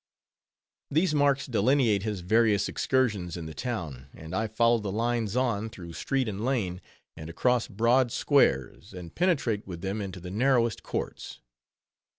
These marks delineate his various excursions in the town; and I follow the lines on, through street and lane; and across broad squares; and penetrate with them into the narrowest courts.